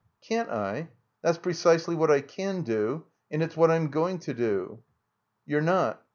"Can't I? That's precisely what I can do; and it's what I'm going to do." "You're not.